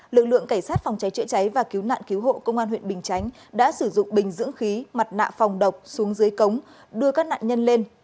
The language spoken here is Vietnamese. lực lượng cảnh sát phòng cháy chữa cháy và cứu nạn cứu hộ công an huyện bình chánh đã sử dụng bình dưỡng khí mặt nạ phòng độc xuống dưới cống đưa các nạn nhân lên